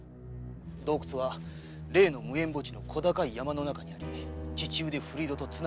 洞窟は例の無縁墓地の小高い山の中にあり地中で古井戸とつながっておりました。